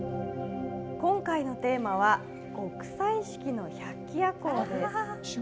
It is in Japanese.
今回のテーマは「極彩色の百鬼夜行」です。